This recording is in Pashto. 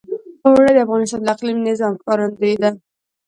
اوړي د افغانستان د اقلیمي نظام ښکارندوی ده.